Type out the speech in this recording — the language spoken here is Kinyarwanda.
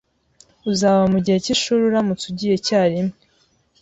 Uzaba mugihe cyishuri uramutse ugiye icyarimwe.